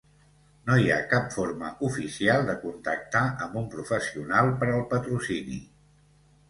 No hi ha cap forma oficial de contactar amb un professional per al patrocini.